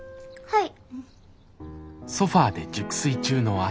はい。